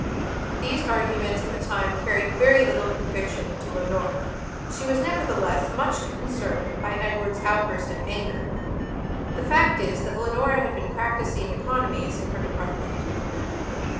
These arguments at that time carried very little conviction to Leonora. She was, nevertheless, much concerned by Edward's outburst of anger. The fact is that Leonora had been practising economies in her department.